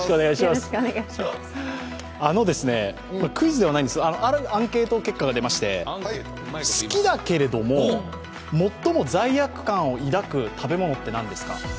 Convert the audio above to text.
クイズではないんですがあるアンケート結果が出まして好きだけれども、最も罪悪感を抱く食べ物って何ですか？